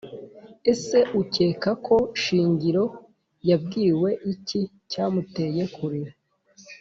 Ese ukekako Shingiro yabwiwe iki cyamuteye kurira?